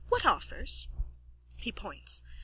What offers? _(He points.)